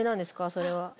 それは。